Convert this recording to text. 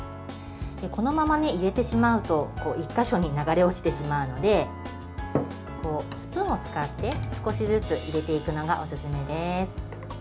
このまま入れてしまうと１か所に流れ落ちてしまうのでスプーンを使って少しずつ入れていくのがおすすめです。